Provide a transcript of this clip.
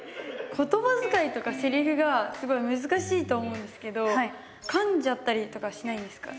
言葉遣いとかセリフがすごい難しいと思うんですけど噛んじゃったりとかしないですか？